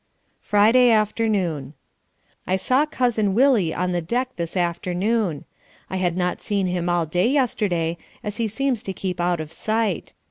Friday afternoon I saw Cousin Willie on the deck this afternoon. I had not seen him all day yesterday as he seems to keep out of sight.